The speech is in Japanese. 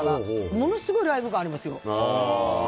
ものすごいライブ感ありますよ。